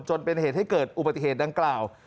จนเป็นเหตุให้เกิดอุบัติเหตุดังกล่าว